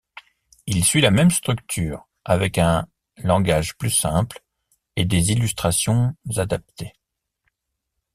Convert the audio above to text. Il suit la même structure, avec un langage plus simple et des illustrations adaptées.